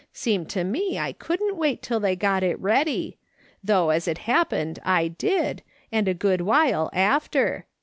Seemed to me I couldn't wait till they got it ready, though as it happened I did, and a good while after.